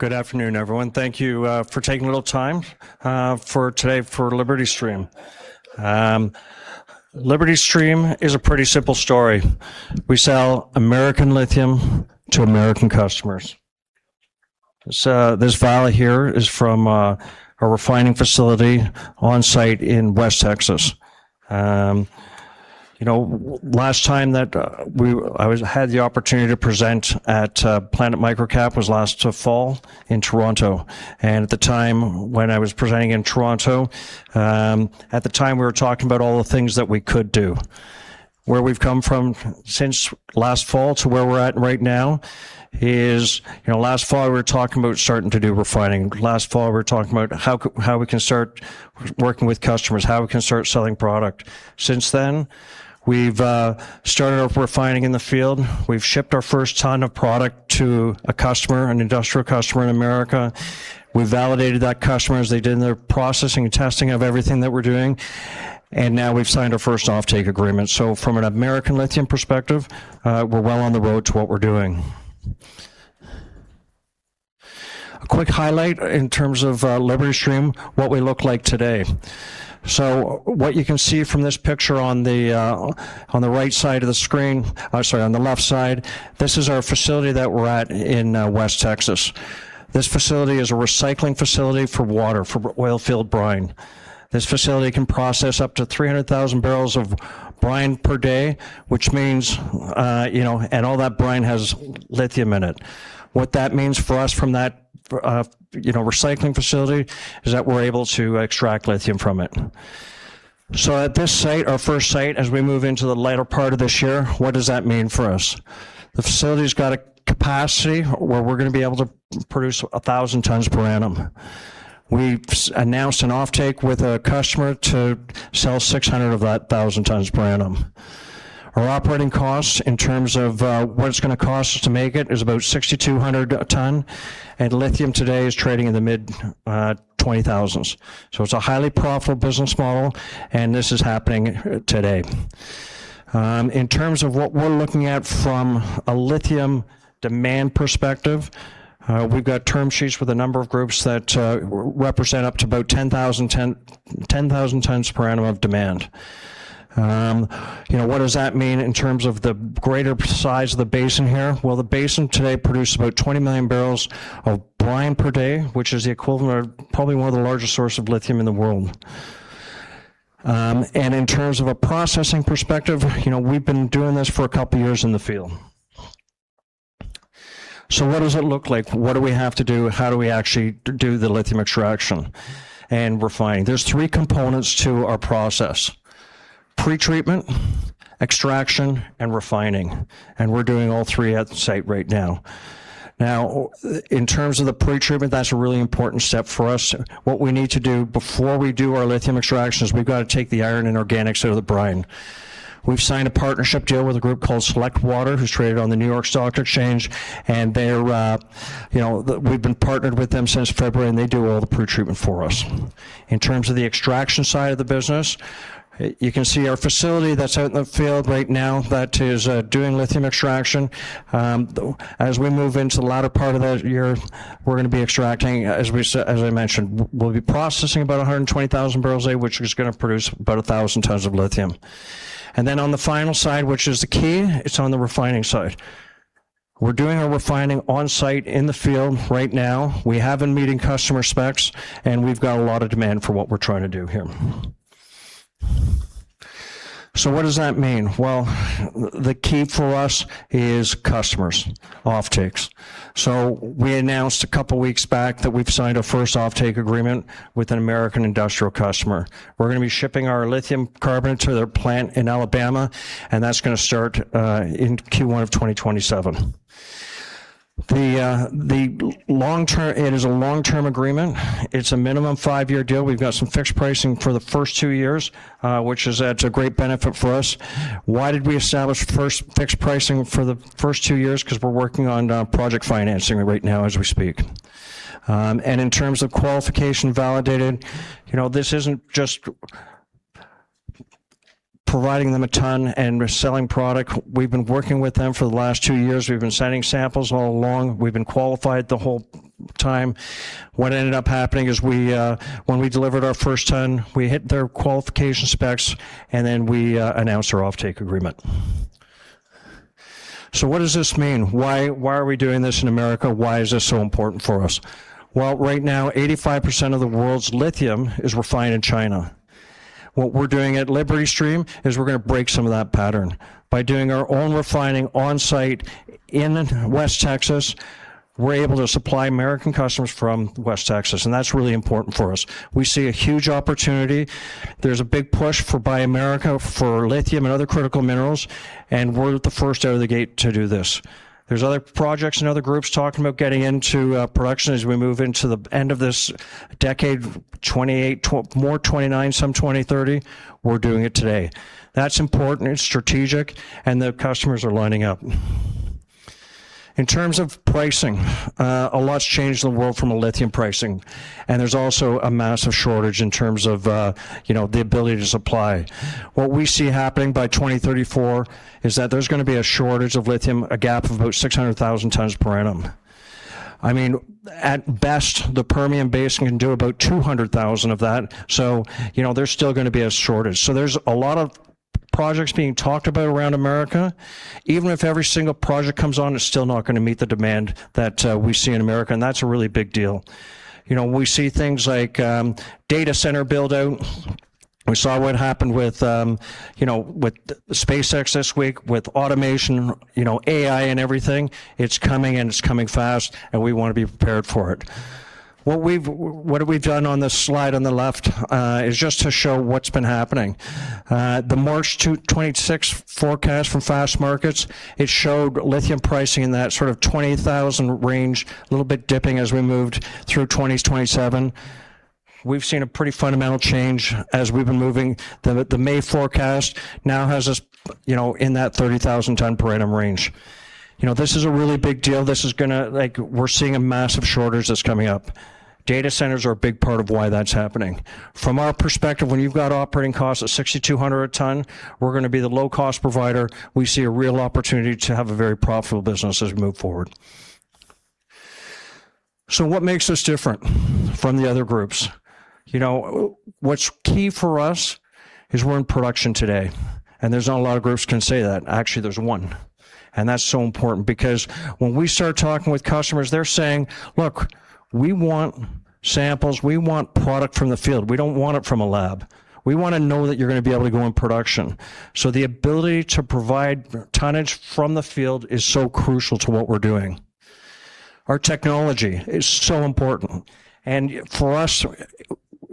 Good afternoon, everyone. Thank you for taking a little time today for LibertyStream. LibertyStream is a pretty simple story. We sell American lithium to American customers. This vial here is from a refining facility on site in West Texas. Last time that I had the opportunity to present at Planet MicroCap was last fall in Toronto, and at the time when I was presenting in Toronto, we were talking about all the things that we could do. Where we've come from since last fall to where we're at right now is, last fall, we were talking about starting to do refining. Last fall, we were talking about how we can start working with customers, how we can start selling product. Since then, we've started our refining in the field. We've shipped our first ton of product to a customer, an industrial customer in America. We validated that customer as they did in their processing and testing of everything that we're doing. Now we've signed our first offtake agreement. From an American lithium perspective, we're well on the road to what we're doing. A quick highlight in terms of LibertyStream, what we look like today. What you can see from this picture on the right side of the screen, sorry, on the left side, this is our facility that we're at in West Texas. This facility is a recycling facility for water, for oil field brine. This facility can process up to 300,000 bbl of brine per day, and all that brine has lithium in it. What that means for us from that recycling facility is that we're able to extract lithium from it. At this site, our first site, as we move into the latter part of this year, what does that mean for us? The facility's got a capacity where we're going to be able to produce 1,000 tons per annum. We've announced an offtake with a customer to sell 600 of that 1,000 tons per annum. Our operating costs in terms of what it's going to cost us to make it is about $6,200 a ton. Lithium today is trading in the mid 20,000s. It's a highly profitable business model, and this is happening today. In terms of what we're looking at from a lithium demand perspective, we've got term sheets with a number of groups that represent up to about 10,000 tons per annum of demand. What does that mean in terms of the greater size of the basin here? The basin today produces about 20 million barrels of brine per day, which is the equivalent of probably one of the largest sources of lithium in the world. In terms of a processing perspective, we've been doing this for a couple of years in the field. What does it look like? What do we have to do? How do we actually do the lithium extraction and refining? There's three components to our process, pretreatment, extraction, and refining. We're doing all three at the site right now. In terms of the pretreatment, that's a really important step for us. What we need to do before we do our lithium extraction is we've got to take the iron and organics out of the brine. We've signed a partnership deal with a group called Select Water, who's traded on the New York Stock Exchange, we've been partnered with them since February, they do all the pretreatment for us. In terms of the extraction side of the business, you can see our facility that's out in the field right now that is doing lithium extraction. As we move into the latter part of the year, we're going to be extracting, as I mentioned, we'll be processing about 120,000 barrels a day, which is going to produce about 1,000 tons of lithium. On the final side, which is the key, it's on the refining side. We're doing our refining on-site in the field right now. We have been meeting customer specs, we've got a lot of demand for what we're trying to do here. What does that mean? Well, the key for us is customers, offtakes. We announced a couple of weeks back that we've signed a first offtake agreement with an American industrial customer. We're going to be shipping our lithium carbonate to their plant in Alabama, that's going to start in Q1 of 2027. It is a long-term agreement. It's a minimum five-year deal. We've got some fixed pricing for the first two years, which is a great benefit for us. Why did we establish fixed pricing for the first two years? Because we're working on project financing right now as we speak. In terms of qualification validated, this isn't just providing them a ton and we're selling product. We've been working with them for the last two years. We've been sending samples all along. We've been qualified the whole time. What ended up happening is when we delivered our first ton, we hit their qualification specs, then we announced our offtake agreement. What does this mean? Why are we doing this in America? Why is this so important for us? Well, right now, 85% of the world's lithium is refined in China. What we're doing at LibertyStream is we're going to break some of that pattern. By doing our own refining on-site in West Texas, we're able to supply American customers from West Texas, that's really important for us. We see a huge opportunity. There's a big push for Buy America for lithium and other critical minerals, we're the first out of the gate to do this. There's other projects and other groups talking about getting into production as we move into the end of this decade, 2028, more 2029, some 2030. We're doing it today. That's important, it's strategic, the customers are lining up. In terms of pricing, a lot's changed in the world from a lithium pricing, there's also a massive shortage in terms of the ability to supply. What we see happening by 2034 is that there's going to be a shortage of lithium, a gap of about 600,000 tons per annum. I mean, at best, the Permian Basin can do about 200,000 of that. There's still going to be a shortage. There's a lot of projects being talked about around America. Even if every single project comes on, it's still not going to meet the demand that we see in America, that's a really big deal. We see things like data center build out. We saw what happened with SpaceX this week, with automation, AI, everything. It's coming, and it's coming fast, and we want to be prepared for it. What we've done on this slide on the left is just to show what's been happening. The March 26th forecast from Fastmarkets, it showed lithium pricing in that sort of $20,000 range, a little bit dipping as we moved through 2027. We've seen a pretty fundamental change as we've been moving. The May forecast now has us in that $30,000 ton per annum range. This is a really big deal. We're seeing a massive shortage that's coming up. Data centers are a big part of why that's happening. From our perspective, when you've got operating costs at $6,200 a ton, we're going to be the low-cost provider. We see a real opportunity to have a very profitable business as we move forward. What makes us different from the other groups? What's key for us is we're in production today, there's not a lot of groups can say that. Actually, there's one. That's so important because when we start talking with customers, they're saying, Look, we want samples. We want product from the field. We don't want it from a lab. We want to know that you're going to be able to go in production." The ability to provide tonnage from the field is so crucial to what we're doing. Our technology is so important. For us,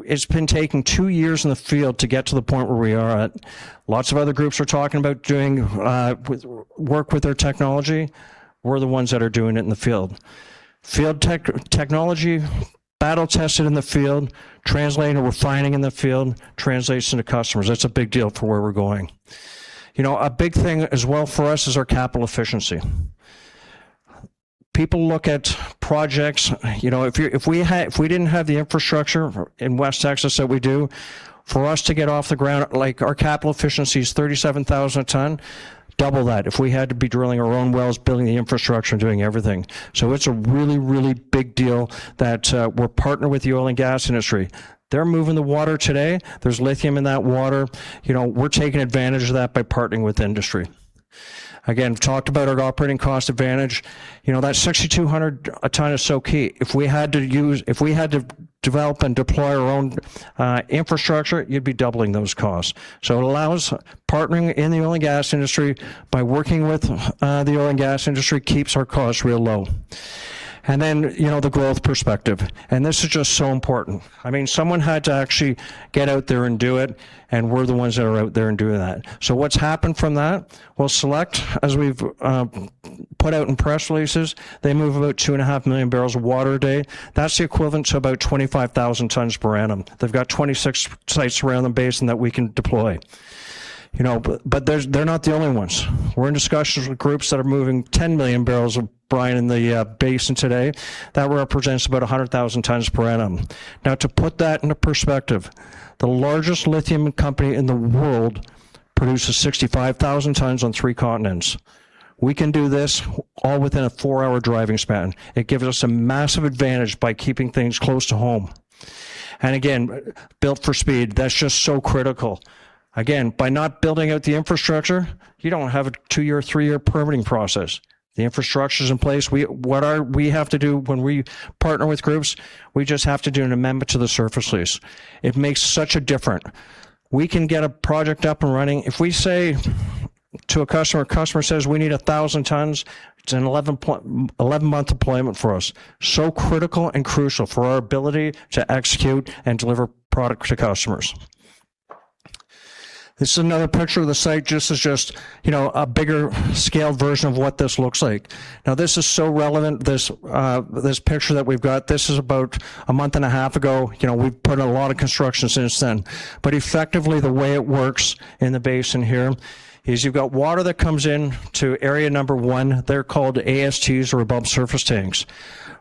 it's been taking two years in the field to get to the point where we are at. Lots of other groups are talking about doing work with their technology. We're the ones that are doing it in the field. Field technology, battle tested in the field, translating and refining in the field, translates into customers. That's a big deal for where we're going. A big thing as well for us is our capital efficiency. People look at projects. If we didn't have the infrastructure in West Texas that we do, for us to get off the ground, our capital efficiency is $37,000 a ton, double that if we had to be drilling our own wells, building the infrastructure, and doing everything. It's a really, really big deal that we're partnered with the oil and gas industry. They're moving the water today. There's lithium in that water. We're taking advantage of that by partnering with industry. Again, talked about our operating cost advantage. That $6,200 a ton is so key. If we had to develop and deploy our own infrastructure, you'd be doubling those costs. It allows partnering in the oil and gas industry by working with the oil and gas industry keeps our costs real low. The growth perspective, and this is just so important. Someone had to actually get out there and do it, and we're the ones that are out there and doing that. What's happened from that? Well, Select, as we've put out in press releases, they move about two and a half million barrels of water a day. That's the equivalent to about 25,000 tons per annum. They've got 26 sites around the basin that we can deploy. They're not the only ones. We're in discussions with groups that are moving 10 million barrels of brine in the basin today. That represents about 100,000 tons per annum. To put that into perspective, the largest lithium company in the world produces 65,000 tons on three continents. We can do this all within a four-hour driving span. It gives us a massive advantage by keeping things close to home. Again, built for speed. That's just so critical. Again, by not building out the infrastructure, you don't have a two-year, three-year permitting process. The infrastructure's in place. What we have to do when we partner with groups, we just have to do an amendment to the surface lease. It makes such a difference. We can get a project up and running. If we say to a customer, a customer says we need 1,000 tons, it's an 11-month deployment for us. Critical and crucial for our ability to execute and deliver product to customers. This is another picture of the site, just as just a bigger scale version of what this looks like. This is so relevant, this picture that we've got. This is about a month and a half ago. We've put in a lot of construction since then. Effectively, the way it works in the basin here is you've got water that comes in to area number one. They're called ASTs, or above surface tanks.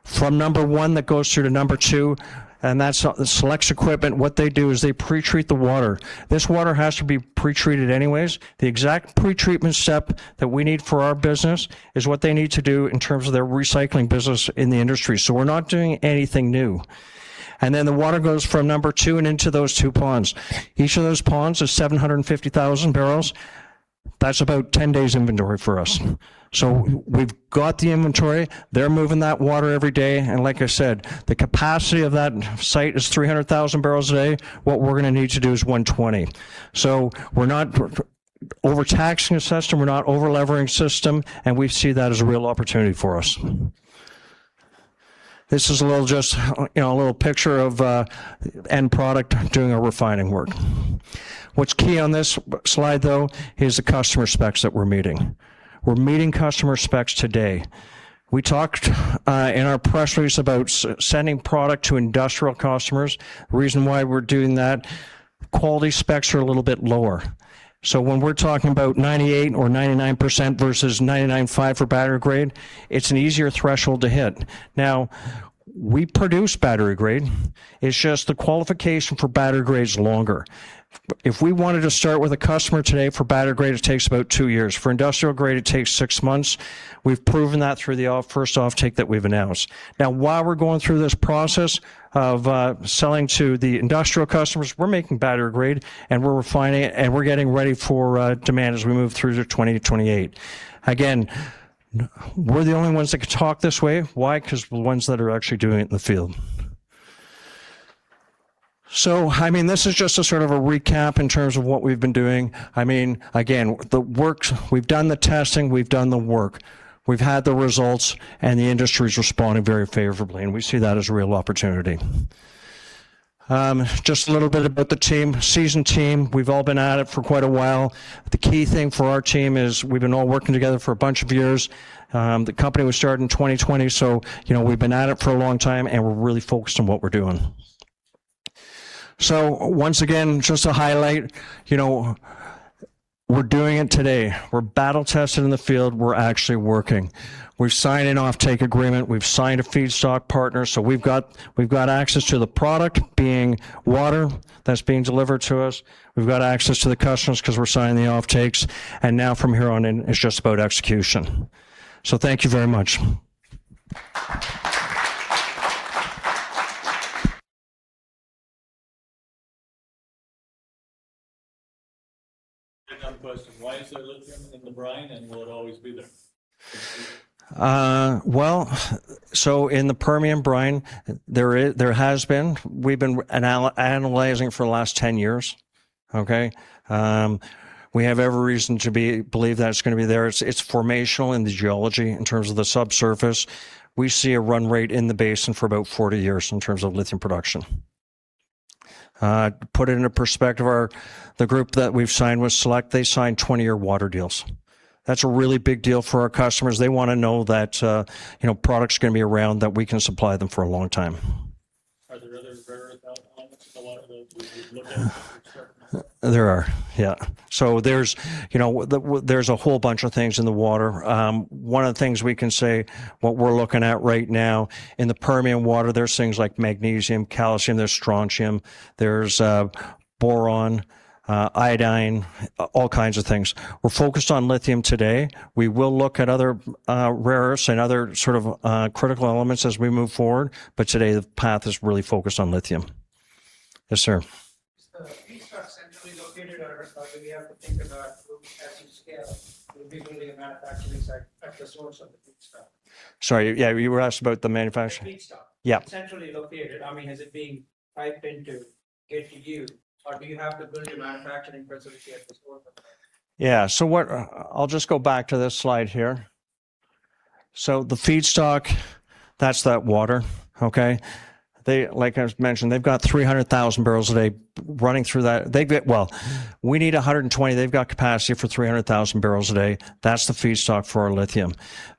From number one, that goes through to number two, and that's Select's equipment. What they do is they pre-treat the water. This water has to be pre-treated anyways. The exact pre-treatment step that we need for our business is what they need to do in terms of their recycling business in the industry. We're not doing anything new. The water goes from number two and into those two ponds. Each of those ponds is 750,000 bbl. That's about 10 days inventory for us. We've got the inventory. They're moving that water every day, and like I said, the capacity of that site is 300,000 bbl a day. What we're going to need to do is 120. We're not overtaxing the system, we're not overleveraging the system, and we see that as a real opportunity for us. This is a little picture of end product doing our refining work. What's key on this slide, though, is the customer specs that we're meeting. We're meeting customer specs today. We talked in our press release about sending product to industrial customers. The reason why we're doing that, quality specs are a little bit lower. When we're talking about 98% or 99% versus 99.5% for battery grade, it's an easier threshold to hit. We produce battery grade. It's just the qualification for battery grade is longer. If we wanted to start with a customer today for battery grade, it takes about two years. For industrial grade, it takes six months. We've proven that through the first offtake that we've announced. While we're going through this process of selling to the industrial customers, we're making battery grade and we're refining it, and we're getting ready for demand as we move through to 2028. Again, we're the only ones that can talk this way. Why? Because we're the ones that are actually doing it in the field. This is just a sort of a recap in terms of what we've been doing. Again, we've done the testing, we've done the work. We've had the results, and the industry's responding very favorably, and we see that as a real opportunity. Just a little bit about the team. Seasoned team, we've all been at it for quite a while. The key thing for our team is we've been all working together for a bunch of years. The company was started in 2020, so we've been at it for a long time, and we're really focused on what we're doing. Once again, just to highlight, we're doing it today. We're battle tested in the field. We're actually working. We've signed an offtake agreement. We've signed a feedstock partner. We've got access to the product, being water that's being delivered to us. We've got access to the customers because we're signing the offtakes, and now from here on in, it's just about execution. Thank you very much. I have a question. Why is there lithium in the brine, and will it always be there? Well, so in the Permian brine, there has been. We've been analyzing for the last 10 years. Okay? We have every reason to believe that it's going to be there. It's formational in the geology in terms of the subsurface. We see a run rate in the basin for about 40 years in terms of lithium production. To put it into perspective, the group that we've signed with Select, they signed 20-year water deals. That's a really big deal for our customers. They want to know that product's going to be around, that we can supply them for a long time. Are there other rare earth elements, a lot of those you've looked at, that you're certain of? There are. Yeah. There's a whole bunch of things in the water. One of the things we can say, what we're looking at right now in the Permian water, there's things like magnesium, calcium, there's strontium. There's boron, iodine, all kinds of things. We're focused on lithium today. We will look at other rare earths and other sort of critical elements as we move forward, but today the path is really focused on lithium. Yes, sir. Is the feedstock centrally located or do we have to think about as you scale, you'll be building a manufacturing site at the source of the feedstock? Sorry. Yeah, you were asking about the manufacturing The feedstock. Yeah. Centrally located, has it been piped in to get to you? Do you have the ability to manufacture in principle here at the source? Yeah. I'll just go back to this slide here. The feedstock, that's that water. Okay? Like I mentioned, they've got 300,000 barrels a day running through that. We need 120,000. They've got capacity for 300,000 barrels a day. That's the feedstock for our lithium.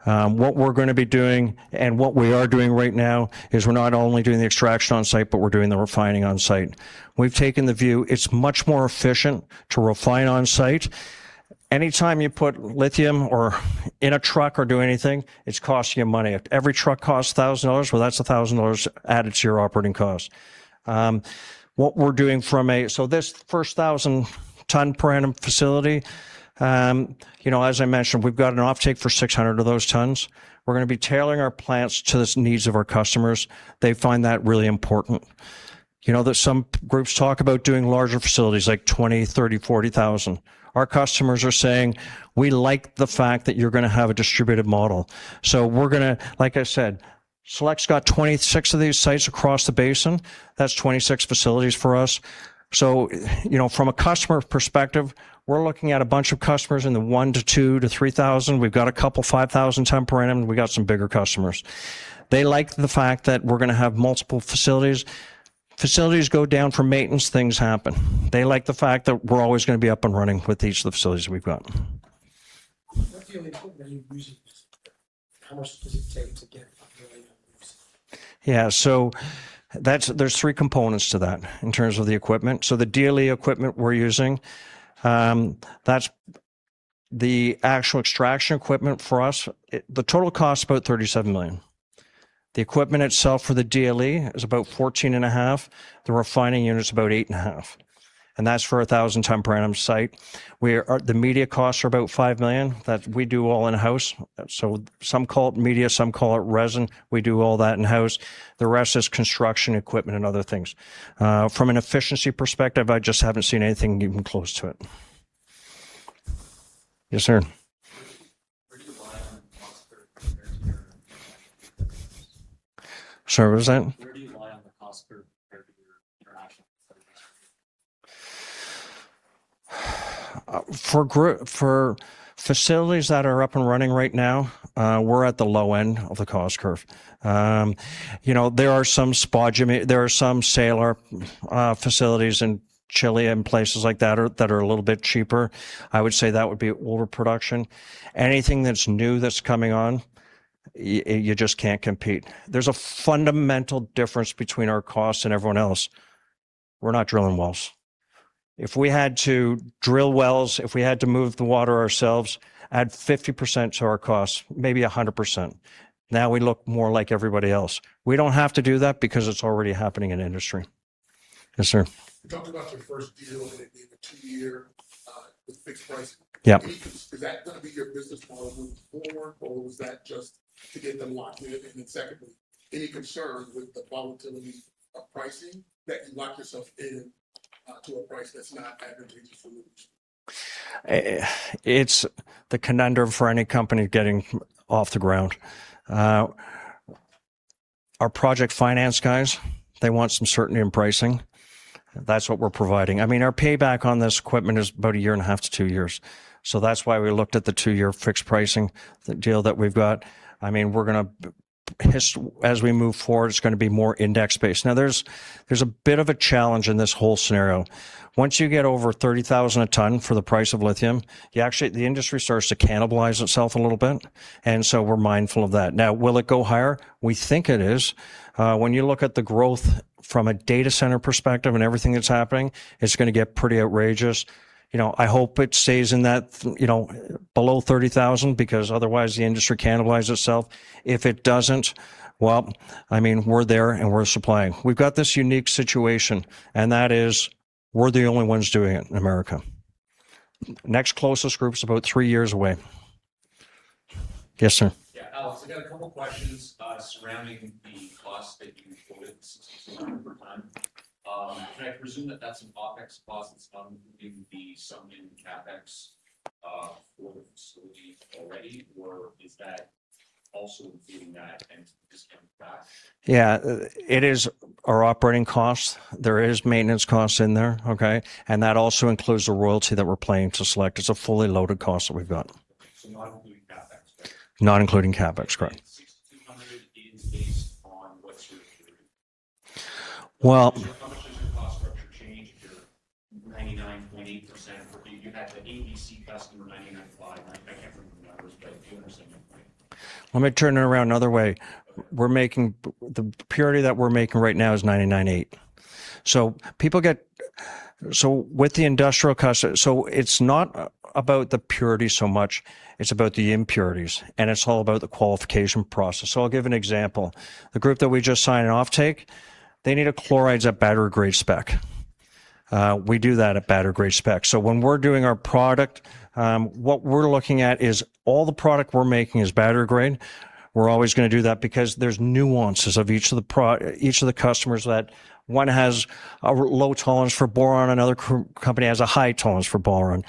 What we're going to be doing and what we are doing right now is we're not only doing the extraction on site, but we're doing the refining on site. We've taken the view, it's much more efficient to refine on site. Anytime you put lithium in a truck or do anything, it's costing you money. If every truck costs $1,000, that's $1,000 added to your operating cost. This 1,000 ton per annum facility, as I mentioned, we've got an offtake for 600 of those tons. We're going to be tailoring our plants to the needs of our customers. They find that really important. There's some groups talk about doing larger facilities, like 20,000, 30,000, 40,000. Our customers are saying, We like the fact that you're going to have a distributed model. We're going to, like I said, Select's got 26 of these sites across the basin. That's 26 facilities for us. From a customer perspective, we're looking at a bunch of customers in the 1,000 to 2,000 to 3,000. We've got a couple of 5,000 ton per annum. We got some bigger customers. They like the fact that we're going to have multiple facilities. Facilities go down for maintenance, things happen. They like the fact that we're always going to be up and running with each of the facilities we've got. What's the only equipment you're using? How much does it take to get up and running on this? Yeah. There's three components to that in terms of the equipment. The DLE equipment we're using, that's the actual extraction equipment for us. The total cost is about $37 million. The equipment itself for the DLE is about $14.5 million. The refining unit is about $8.5 million, and that's for 1,000 ton per annum site, where the media costs are about $5 million that we do all in-house. Some call it media, some call it resin. We do all that in-house. The rest is construction equipment and other things. From an efficiency perspective, I just haven't seen anything even close to it. Yes, sir. Where do you lie on the cost curve compared to your international competitors? Sorry, what was that? Where do you lie on the cost curve compared to your international competitors? For facilities that are up and running right now, we're at the low end of the cost curve. There are some spodumene, there are some salar facilities in Chile and places like that that are a little bit cheaper. I would say that would be overproduction. Anything that's new that's coming on, you just can't compete. There's a fundamental difference between our cost and everyone else. We're not drilling wells. If we had to drill wells, if we had to move the water ourselves, add 50% to our costs, maybe 100%. Now we look more like everybody else. We don't have to do that because it's already happening in industry. Yes, sir. You talked about your first deal, and it being a two-year with fixed pricing. Yep. Is that going to be your business model moving forward, or was that just to get them locked in? Secondly, any concern with the volatility of pricing, that you locked yourself in to a price that's not advantageous for you? It's the conundrum for any company getting off the ground. Our project finance guys, they want some certainty in pricing. That's what we're providing. Our payback on this equipment is about a year and a half to two years. That's why we looked at the two-year fixed pricing, the deal that we've got. As we move forward, it's going to be more index based. Now, there's a bit of a challenge in this whole scenario. Once you get over $30,000 a ton for the price of lithium, the industry starts to cannibalize itself a little bit, we're mindful of that. Now, will it go higher? We think it is. When you look at the growth from a data center perspective and everything that's happening, it's going to get pretty outrageous. I hope it stays below $30,000, because otherwise the industry cannibalizes itself. If it doesn't, well, we're there and we're supplying. We've got this unique situation, and that is, we're the only ones doing it in America. Next closest group's about three years away. Yes, sir. Yeah, Alex, I got a couple questions surrounding the cost that you quoted for time. Can I presume that that's an OpEx cost that's not including the sum in CapEx for the facility already, or is that also including that and just coming back? Yeah. It is our operating cost. There is maintenance cost in there, okay? That also includes the royalty that we're paying to Select. It's a fully loaded cost that we've got. Not including CapEx then. Not including CapEx, correct. The 6,200 is based on what purity? Well- How much does your cost structure change if you're 99.8%? You had the ABC customer 99.59. I can't remember the numbers, but if you understand my point. Let me turn it around another way. The purity that we're making right now is 99.8%. It's not about the purity so much, it's about the impurities, and it's all about the qualification process. I'll give an example. The group that we just signed an offtake, they need chlorides at battery grade spec. We do that at battery grade spec. When we're doing our product, what we're looking at is all the product we're making is battery grade. We're always going to do that because there's nuances of each of the customers that one has a low tolerance for boron, another company has a high tolerance for boron.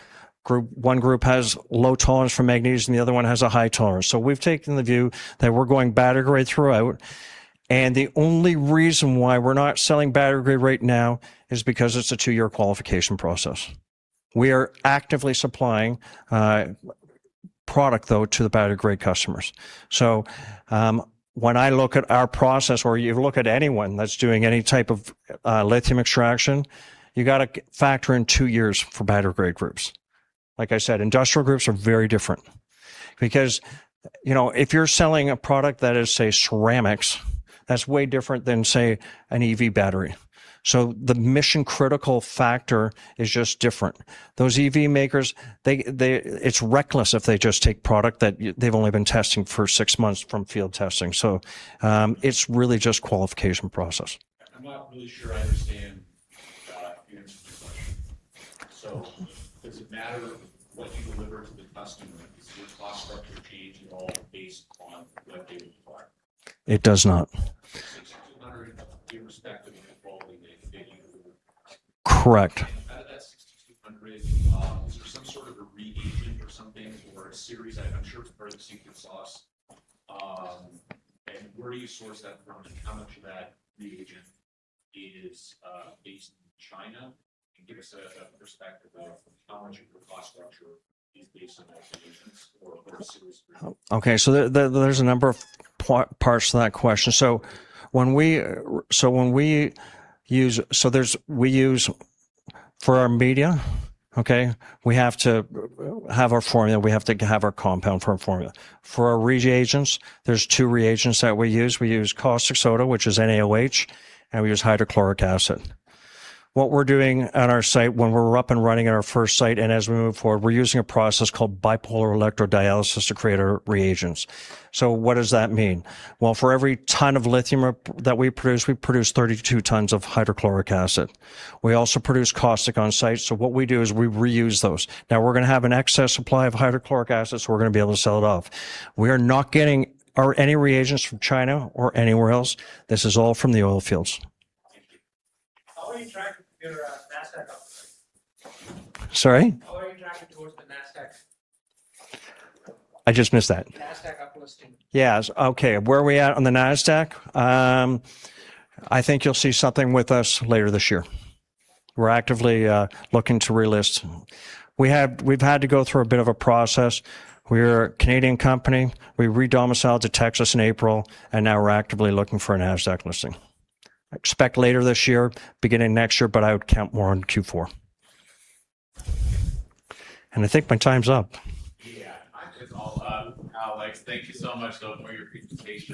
One group has low tolerance for magnesium, the other one has a high tolerance. We've taken the view that we're going battery grade throughout, and the only reason why we're not selling battery grade right now is because it's a two-year qualification process. We are actively supplying product, though, to the battery grade customers. When I look at our process, or you look at anyone that's doing any type of lithium extraction, you got to factor in two years for battery grade groups. Like I said, industrial groups are very different. If you're selling a product that is, say, ceramics, that's way different than, say, an EV battery. The mission critical factor is just different. Those EV makers, it's reckless if they just take product that they've only been testing for six months from field testing. It's really just qualification process. I'm not really sure I understand your answer to the question. Does it matter what you deliver to the customer? Does your cost structure change at all based on what they require? It does not. $6,200 irrespective of the quality that you deliver. Correct. Out of that 6,200, is there some sort of a reagent or something or a series? I'm sure it's part of the secret sauce. Where do you source that from, and how much of that reagent is based in China? Can you give us a perspective of how much of your cost structure is based on those reagents or series? Okay. There's a number of parts to that question. We use, for our media, okay, we have to have our formula. We have to have our compound for our formula. For our reagents, there are two reagents that we use. We use caustic soda, which is NaOH, and we use hydrochloric acid. What we're doing at our site when we're up and running at our first site, and as we move forward, we're using a process called bipolar electrodialysis to create our reagents. What does that mean? Well, for every ton of lithium that we produce, we produce 32 tons of hydrochloric acid. We also produce caustic on site, so what we do is we reuse those. Now we're going to have an excess supply of hydrochloric acid, so we're going to be able to sell it off. We are not getting any reagents from China or anywhere else. This is all from the oil fields. Thank you. How are you tracking your Nasdaq up listing? Sorry? How are you tracking towards the Nasdaq? I just missed that. Nasdaq up listing. Yes, okay. Where are we at on the Nasdaq? I think you'll see something with us later this year. We're actively looking to relist. We've had to go through a bit of a process. We're a Canadian company. We re-domiciled to Texas in April, and now we're actively looking for a Nasdaq listing. Expect later this year, beginning next year, but I would count more on Q4. I think my time's up. Yeah. I think it's all up. Alex, thank you so much, though, for your presentation.